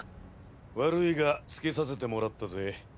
悪いがつけさせてもらったぜ。